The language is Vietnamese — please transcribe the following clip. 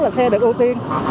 là xe được ưu tiên